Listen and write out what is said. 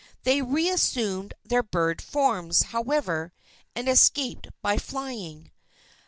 They reassumed their bird forms, however, and escaped by flying.